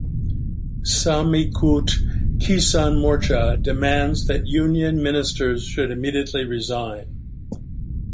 Samyukt Kisan Morcha demands that Union Ministers should immediately resign.